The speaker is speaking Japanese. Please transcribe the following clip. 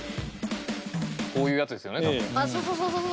こういうやつですよね多分。